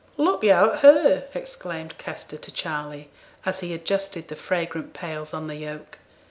'Look yo' at her!' exclaimed Kester to Charley, as he adjusted the fragrant pails on the yoke.